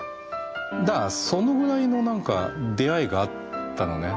だからそのぐらいの出会いがあったのね。